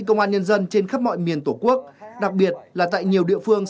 công an nhân dân trên khắp mọi miền tổ quốc đặc biệt là tại nhiều địa phương